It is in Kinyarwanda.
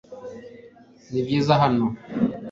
Nibyiza hano